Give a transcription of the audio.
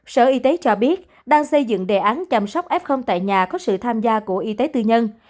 sở y tế cho biết đang xây dựng đề án chăm sóc f tại nhà có sự tham gia của y tế tư nhân